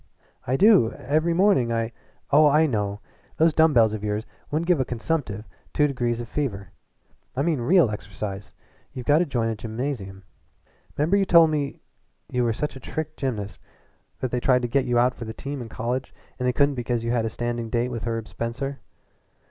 "I do. Every morning I " "Oh, I know! But those dumb bells of yours wouldn't give a consumptive two degrees of fever. I mean real exercise. You've got to join a gymnasium. 'Member you told me you were such a trick gymnast once that they tried to get you out for the team in college and they couldn't because you had a standing date with Herb Spencer?"